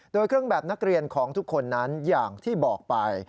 โดยเครื่องแบบนักเรียนของทุกคนนั้นอย่างที่บอกไป